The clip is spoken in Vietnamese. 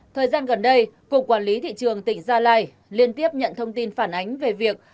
thời gian gần đây cục quản lý thị trường tỉnh gia lai liên tiếp nhận thông tin phản ánh về việc